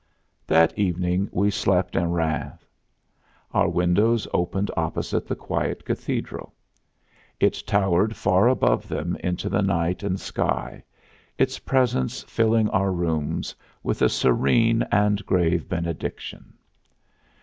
That evening we slept in Rheims. Our windows opened opposite the quiet cathedral. It towered far above them into the night and sky, its presence filling our rooms with a serene and grave benediction.